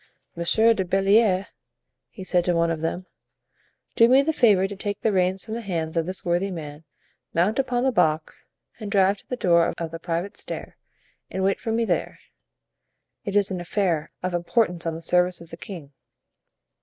"Monsieur de Belliere," said he to one of them, "do me the favor to take the reins from the hands of this worthy man, mount upon the box and drive to the door of the private stair, and wait for me there; it is an affair of importance on the service of the king."